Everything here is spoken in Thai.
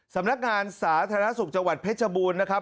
สำนักงานสาธารณสุขจังหวัดเพชรบูรณ์นะครับ